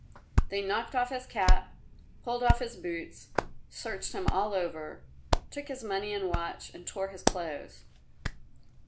They knocked off his cap, pulled off his boots, searched him all over, took his money and watch and tore his clothes.